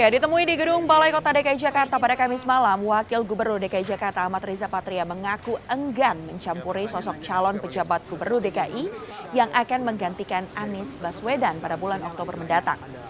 ditemui di gedung balai kota dki jakarta pada kamis malam wakil gubernur dki jakarta ahmad riza patria mengaku enggan mencampuri sosok calon pejabat gubernur dki yang akan menggantikan anies baswedan pada bulan oktober mendatang